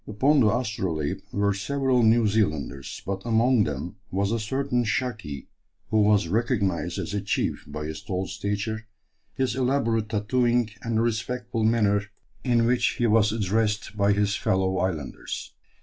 Upon the Astrolabe were several New Zealanders, but among them was a certain "Shaki" who was recognized as a chief by his tall stature, his elaborate tattooing, and the respectful manner in which he was addressed by his fellow islanders.